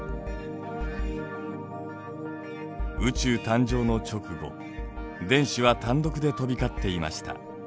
宇宙誕生の直後電子は単独で飛び交っていました。